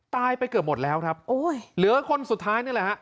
ไปเกือบหมดแล้วครับโอ้ยเหลือคนสุดท้ายนี่แหละฮะ